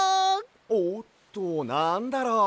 おっとなんだろう？